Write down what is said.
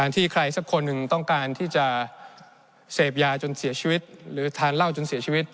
เต็บยาจนเสียชีวิตหรือทานเหล้าจนเสียชีวิต